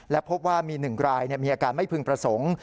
และพบว่ามี๑รายมีอาการไม่พึงประสงค์